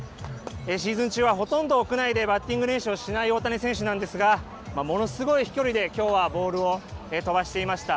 シーズン中はほとんど屋内でバッティング練習をしない大谷選手なんですが、ものすごい飛距離できょうはボールを飛ばしていました。